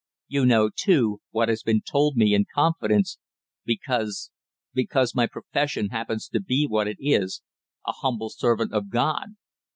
You know, too, what has been told me in confidence, because because my profession happens to be what it is a humble servant of God."